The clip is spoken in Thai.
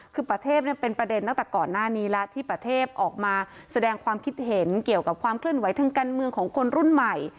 คือประเทศเป็นประเด็นตั้งแต่ก่อนหน้านี้แล้วที่ประเทศออกมาแสดงความคิดเห็นเกี่ยวกับความเคลื่อนไหวทางการเมืองของคนรุ่นใหม่